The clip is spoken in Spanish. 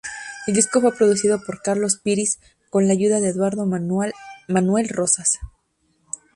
El disco fue producido por Carlos Píriz, con la ayuda de Eduardo Manuel Rozas.